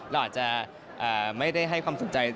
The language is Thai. เราอาจจะไม่ได้ให้ความสนใจ